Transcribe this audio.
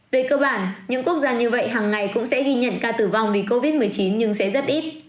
về cơ bản những quốc gia như vậy hàng ngày cũng sẽ ghi nhận ca tử vong vì covid một mươi chín nhưng sẽ rất ít